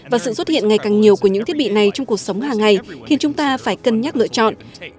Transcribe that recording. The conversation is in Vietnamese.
và sự xuất hiện ngày càng nhiều của những thiết bị này trong cuộc sống hàng ngày khiến chúng ta phải cân nhắc lựa chọn